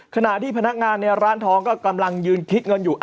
ขณะที่พนักงานในร้านทองก็กำลังยืนคิดเงินอยู่